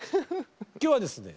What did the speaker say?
今日はですね